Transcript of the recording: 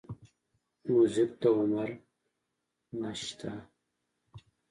موزیک ته عمر نه شته.